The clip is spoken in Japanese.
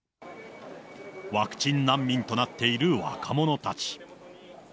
ワクチン難民となっている若者たち。